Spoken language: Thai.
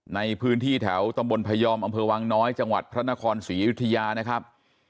ในพื้นที่แถวตำบลพยอมอำเภอวังน้อยจังหวัดพระนครศรีอยุธยานะครับ